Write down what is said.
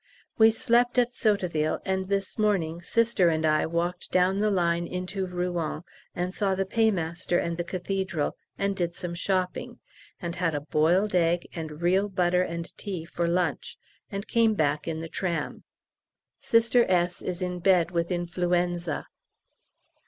We slept at Sotteville, and this morning Sister and I walked down the line into Rouen and saw the Paymaster and the Cathedral, and did some shopping, and had a boiled egg and real butter and tea for lunch, and came back in the tram. Sister S. is in bed with influenza.